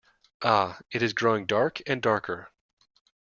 Ah, it is growing dark and darker.